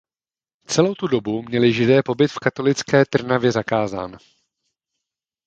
Celou tu dobu měli Židé pobyt v katolické Trnavě zakázán.